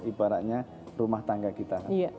ibaratnya rumah tangga kita